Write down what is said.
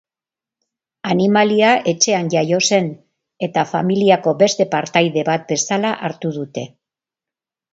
Animalia etxean jaio zen, eta familiako beste partaide bat bezala hartu dute.